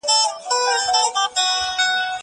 هغه څوک چي سیر کوي روغ وي!